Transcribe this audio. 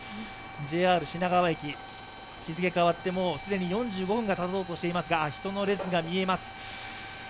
ＪＲ品川駅、日付変わっても、既に４５分がたとうとしていますが人の列が見えます。